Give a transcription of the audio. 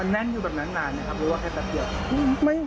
แน่นอยู่แบบนั้นนานไหมครับหรือว่าแค่แป๊บเดียว